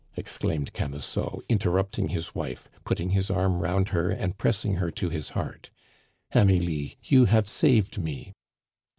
exclaimed Camusot, interrupting his wife, putting his arm round her, and pressing her to his heart. "Amelie, you have saved me!"